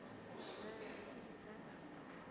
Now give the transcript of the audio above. กรรมการท่านที่ห้าได้แก่กรรมการใหม่เลขเก้า